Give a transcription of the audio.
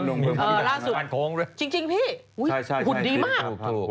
ลงมือสะพานโค้งด้วยจริงพี่หุ่นดีมาก